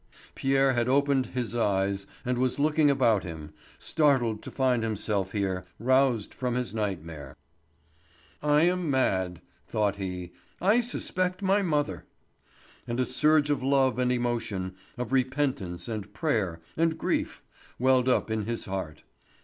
Pierre had opened his eyes and was looking about him, startled to find himself here, roused from his nightmare. "I am mad," thought he, "I suspect my mother." And a surge of love and emotion, of repentance, and prayer, and grief, welled up in his heart.